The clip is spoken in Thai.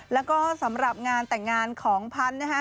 แล้วก็สำหรับงานแต่งงานของพันธุ์นะฮะ